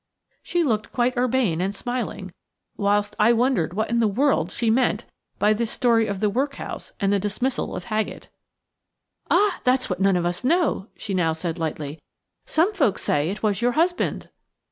She looked quite urbane and smiling, whilst I wondered what in the world she meant by this story of the workhouse and the dismissal of Haggett. "Ah, that's what none of us know!" she now said lightly; "some folks say it was your husband."